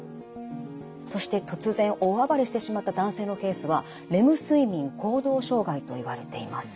そして突然大暴れしてしまった男性のケースはレム睡眠行動障害といわれています。